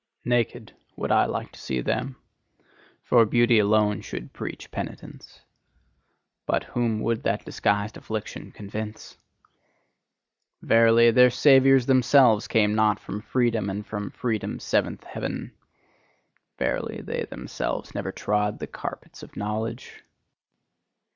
Naked, would I like to see them: for beauty alone should preach penitence. But whom would that disguised affliction convince! Verily, their Saviours themselves came not from freedom and freedom's seventh heaven! Verily, they themselves never trod the carpets of knowledge!